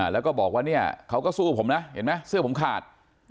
แล้วก็บอกว่าเนี่ยเขาก็สู้ผมนะเห็นไหมเสื้อผมขาด